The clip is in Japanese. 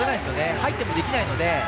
入ってもできないので。